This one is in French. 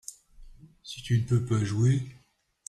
Si tu ne peux pas jouer.